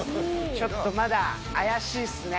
ちょっとまだ怪しいっすね。